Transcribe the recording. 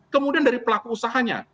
kemudian dari pelaku usahanya